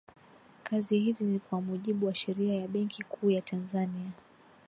kazi hizi ni kwa mujibu wa sheria ya benki kuu ya tanzania